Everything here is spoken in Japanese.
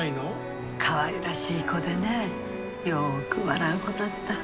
かわいらしい子でねよく笑う子だった。